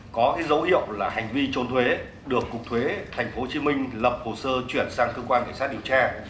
có dấu hiệu là hành vi trốn thuế được cục thuế tp hcm lập hồ sơ chuyển sang cơ quan cảnh sát điều tra